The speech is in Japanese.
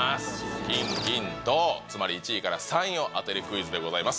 金銀銅、つまり１位から３位を当てるクイズでございます。